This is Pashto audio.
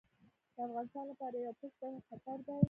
د افغانستان لپاره یو بشپړ خطر دی.